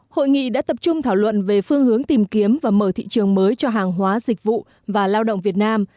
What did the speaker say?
hội nghị đã tập trung thảo luận về phương hướng tìm kiếm và mở thị trường mới cho hàng hóa dịch vụ và lao động việt nam